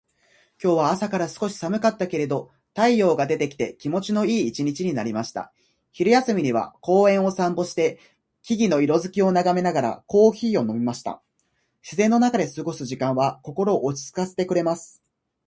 今日は朝から少し寒かったけれど、太陽が出てきて気持ちのいい一日になりました。昼休みには公園を散歩して、木々の色づきを眺めながらコーヒーを飲みました。自然の中で過ごす時間は心を落ち着かせてくれます。